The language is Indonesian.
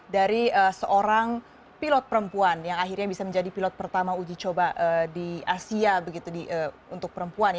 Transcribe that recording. dari seorang pilot perempuan yang akhirnya bisa menjadi pilot pertama uji coba di asia begitu untuk perempuan